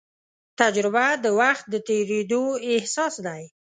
تجربه د وخت د تېرېدو احساس دی.